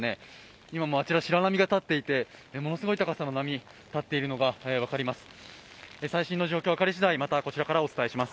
今もあちら、白波が立っていてものすごい高さの波が立っているのが分かります。